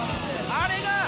あれが。